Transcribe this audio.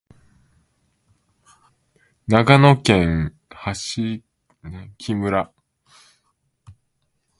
長野県喬木村